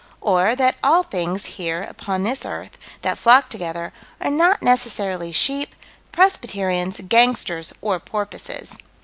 Or that all things, here, upon this earth, that flock together, are not necessarily sheep, Presbyterians, gangsters, or porpoises.